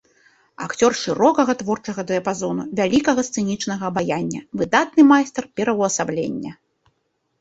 Акцёр шырокага творчага дыяпазону, вялікага сцэнічнага абаяння, выдатны майстар пераўвасаблення.